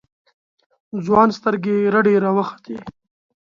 ځوان سترگې رډې راوختې.